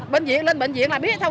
bệnh viện lên bệnh viện là biết thôi